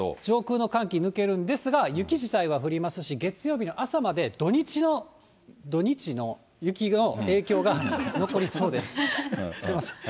上空の寒気抜けるんですが、雪自体は降りますし、月曜日の朝まで、土日の雪の影響が残りそうです。